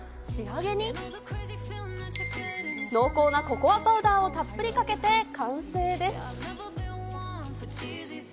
仕上げに、濃厚なココアパウダーをたっぷりかけて完成です。